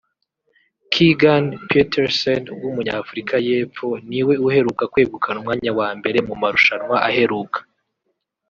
Keagan Pietersen w’Umunya Afurika y’Epfo niwe uheruka kwegukana umwanya wa mbere mu marushanwa aheruka